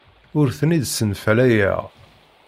Ur ten-id-ssenfalayeɣ.